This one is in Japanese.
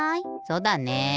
そうだね。